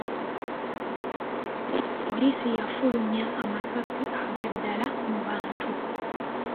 Poliisi yafulmya amasasi aga ddala mu bantu.